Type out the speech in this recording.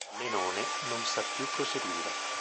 Menone non sa più proseguire.